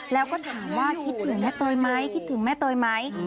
แล้วก็ถามว่าคิดถึงแม่เตยไหมคิดถึงแม่เตยไหม